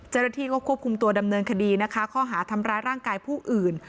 เจ้าหน้าที่ก็ควบคุมตัวดำเนินคดีนะคะข้อหาทำร้ายร่างกายผู้อื่น